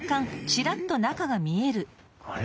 あれ？